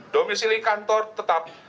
domensi di kantor tetap